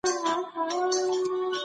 زده کړه د انسان سترګې غړوي.